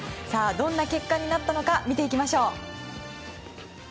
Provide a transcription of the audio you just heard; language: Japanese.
どんな結果になったのか見ていきましょう。